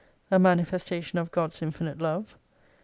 A manifestation of God's infinite love.